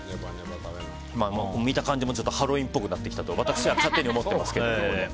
見た感じもハロウィーンっぽくなってきたと私は勝手に思ってますけど。